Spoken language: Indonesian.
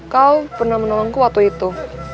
kau pernah menolongku waktu itu